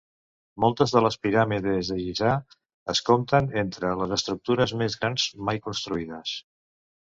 Moltes de les piràmides de Giza es compten entre les estructures més grans mai construïdes.